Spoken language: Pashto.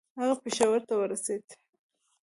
هغه پېښور ته ورسېدی.